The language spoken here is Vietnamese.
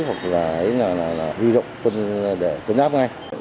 hoặc là huy động quân áp ngay